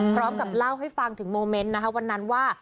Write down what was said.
พร้อมกับเล่าให้ฟังถึงโมเมนต์นะคะวันนั้นว่า